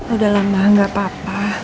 udah lah mbak gak apa apa